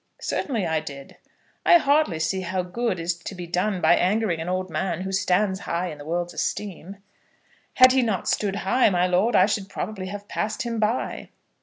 "Certainly I did." "I hardly see how good is to be done by angering an old man who stands high in the world's esteem." "Had he not stood high, my lord, I should probably have passed him by."